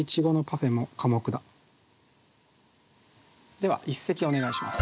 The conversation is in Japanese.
では一席お願いします。